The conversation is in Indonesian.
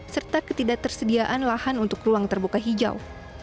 serta ketidaktersediaan lahan untuk ruang terbuka hijau